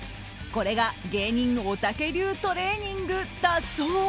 これが芸人おたけ流トレーニングだそう。